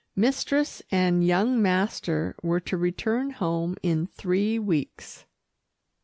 Mistress and young master were to return home in three weeks.